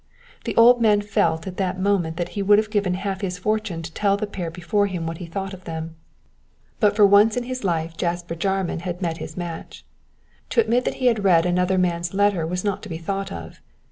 The old man felt at that moment that he would have given half his fortune to tell the pair before him what he thought of them. But for once in his life Jasper Jarman had met his match. To admit that he had read another man's letter was not to be thought of.